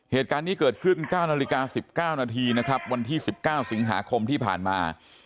เหตุการณ์นี้เกิดขึ้น๙นาฬิกา๑๙นาทีนะครับวันที่๑๙สิงหาคมที่ผ่านมา